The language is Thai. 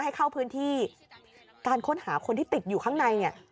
ให้เข้าพื้นที่การค้นหาคนที่ติดอยู่ข้างในเนี่ย